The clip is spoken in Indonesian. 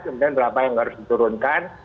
kemudian berapa yang harus diturunkan